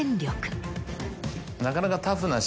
なかなか。